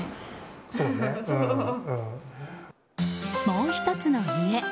もう１つの家。